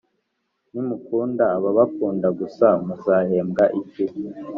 Nimukunda ababakunda gusa muzahembwa iki?